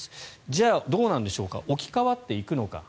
じゃあ、どうなんでしょうか置き換わっていくのか。